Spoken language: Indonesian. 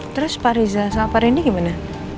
terus pak riza sama pak randy gimana